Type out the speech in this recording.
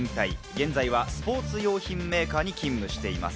現在はスポーツ用品メーカーに勤務しています。